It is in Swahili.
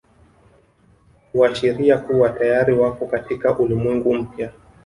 Huashiria kuwa tayari wako katika ulimwengu mpya